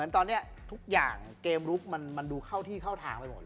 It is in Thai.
ตอนนี้ทุกอย่างเกมลุคมันดูเข้าทางไปหมด